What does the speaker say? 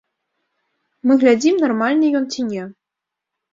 Мы глядзім, нармальны ён ці не.